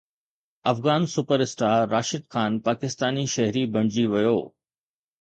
Afghan super star Rashid Khan Pakistani شهري بڻجي ويو